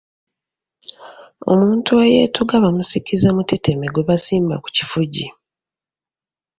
Omuntu eyeetuga bamusikiza muteteme gwe basimba ku kifugi.